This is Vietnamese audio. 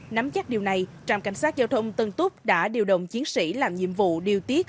nắm chắc điều này trạm cảnh sát giao thông tân túc đã điều động chiến sĩ làm nhiệm vụ điều tiết